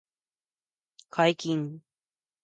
解禁